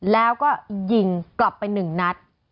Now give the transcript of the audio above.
แล้วก็ยิงกลับไป๑นัด